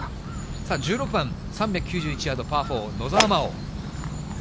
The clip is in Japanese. さあ、１６番３９１ヤード、パー４、野澤真央。